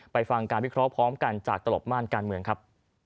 ฟังการวิเคราะห์พร้อมกันจากตลบม่านการเมืองครับ